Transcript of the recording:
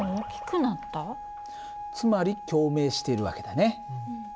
つまり共鳴している訳だね。